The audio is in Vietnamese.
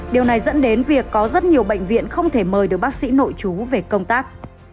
điều này dẫn đến việc có rất nhiều bệnh viện không thể mời được bác sĩ nội chú về công tác